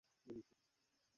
কিন্তু তার গল্প সত্য।